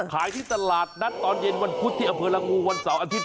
ขายที่ตลาดนัดตอนเย็นวันพุธที่อำเภอละงูวันเสาร์อาทิตย